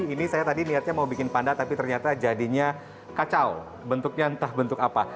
ini saya tadi niatnya mau bikin panda tapi ternyata jadinya kacau bentuknya entah bentuk apa